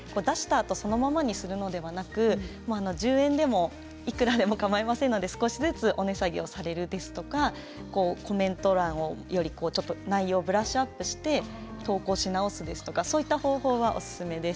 あとそのままにするのではなく１０円でもいくらでもかまいませんので少しずつお値下げされるですとかコメント欄をより内容をブラッシュアップして投稿しなおすですとかそういった方法がおすすめです。